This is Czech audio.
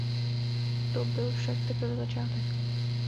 To byl však teprve začátek.